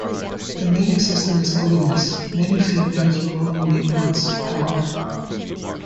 The mating system is polygamous; many females will only mate once, however.